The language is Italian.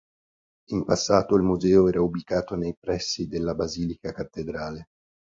In passato il museo era ubicato nei pressi della Basilica Cattedrale.